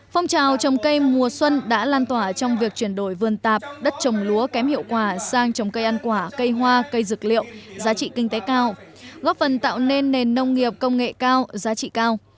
phong trào trồng cây mùa xuân đã lan tỏa trong việc chuyển đổi vườn tạp đất trồng lúa kém hiệu quả sang trồng cây ăn quả cây hoa cây dược liệu giá trị kinh tế cao góp phần tạo nên nền nông nghiệp công nghệ cao giá trị cao